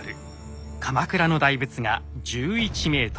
鎌倉の大仏が１１ｍ。